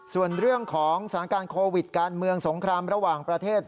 ส่วนเรื่องของสถานการณ์โควิดการเมืองสงครามระหว่างประเทศ